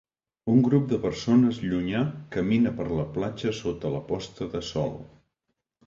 Un grup de persones llunyà camina per la platja sota la posta de sol.